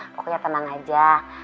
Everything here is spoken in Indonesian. pokoknya tenang aja